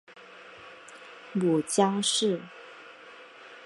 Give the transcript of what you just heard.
母江氏。